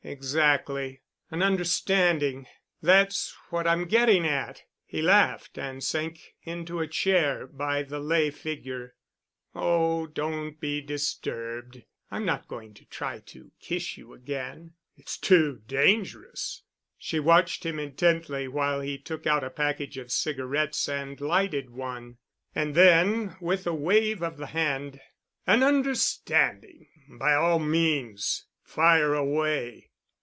"Exactly—an understanding. That's what I'm getting at——" he laughed and sank into a chair by the lay figure. "Oh, don't be disturbed. I'm not going to try to kiss you again. It's too dangerous." She watched him intently while he took out a package of cigarettes and lighted one. And then, with a wave of the hand, "An understanding—by all means. Fire away."